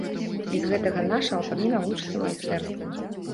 Без гэтага наш аўтар не навучыцца майстэрству.